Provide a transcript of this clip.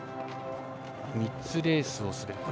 ３つレースをする。